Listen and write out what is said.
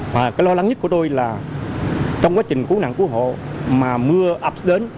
và cái lo lắng nhất của tôi là trong quá trình cứu nạn cứu hộ mà mưa ập đến